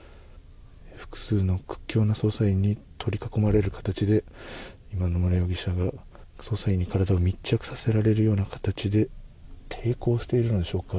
複数の屈強な捜査員に取り囲まれる形で今、野村容疑者が捜査員に体を密着させられるような形で抵抗しているのでしょうか。